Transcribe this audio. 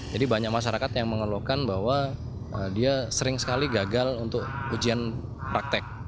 jadi banyak masyarakat yang mengeluhkan bahwa dia sering sekali gagal untuk ujian praktek